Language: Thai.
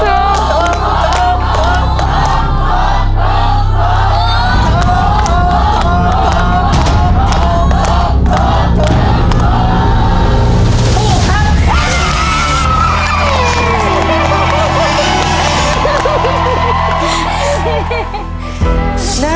ถูกครับ